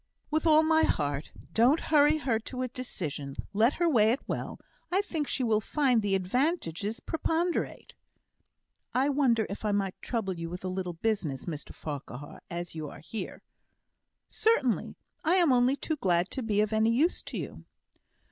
"With all my heart. Don't hurry her to a decision. Let her weigh it well. I think she will find the advantages preponderate." "I wonder if I might trouble you with a little business, Mr Farquhar, as you are here?" "Certainly; I am only too glad to be of any use to you."